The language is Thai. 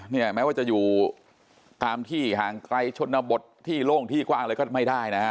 เนี่ยแม้ว่าจะอยู่ตามที่หางไกลชนบทที่โล่งที่กว้างเลยก็ไม่ได้นะครับ